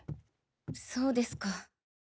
そうですか。